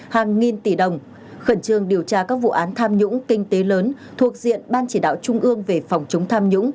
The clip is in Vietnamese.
hàng nghìn tỷ đồng khẩn trương điều tra các vụ án tham nhũng kinh tế lớn thuộc diện ban chỉ đạo trung ương về phòng chống tham nhũng